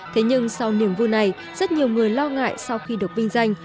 thế nhưng sau niềm vui này rất nhiều người lo ngại sau khi được vinh danh